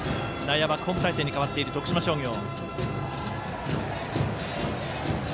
バックホーム態勢に変わっている徳島商業。